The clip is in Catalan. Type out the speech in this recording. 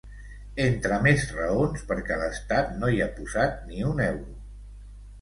Entre més raons, perquè l’estat no hi ha posat ni un euro.